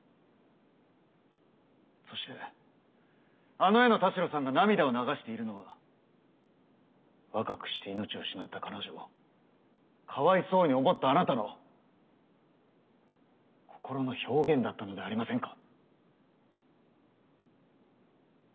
そしてあの絵の田代さんが涙を流しているのは若くして命を失った彼女をかわいそうに思ったあなたの心の表現だったのではありませんか？